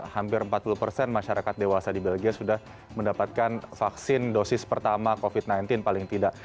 hampir empat puluh persen masyarakat dewasa di belgia sudah mendapatkan vaksin dosis pertama covid sembilan belas paling tidak